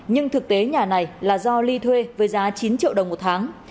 nhưng thực tế nhà này là do ly thuê với giá chín triệu đồng một tháng